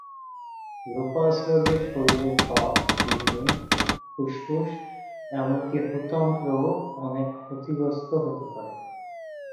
Lupus রোগে শরীরের ত্বক, কিডনি, ফুসফুস এমনকি হূত্যন্ত্রও অনেক ক্ষতিগ্রস্ত হতে পারে।